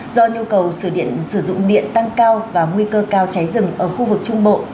do nhu cầu sử dụng điện tăng cao và nguy cơ cao cháy rừng ở khu vực trung bộ